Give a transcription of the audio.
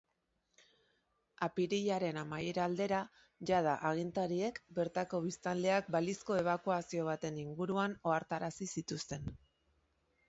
Apirilaren amaiera aldera jada agintariek bertako biztanleak balizko ebakuazio baten inguruan ohartarazi zituzten.